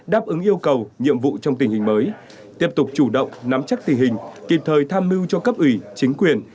đáp ứng yêu cầu nhiệm vụ trong tình hình mới tiếp tục chủ động nắm chắc tình hình kịp thời tham mưu cho cấp ủy chính quyền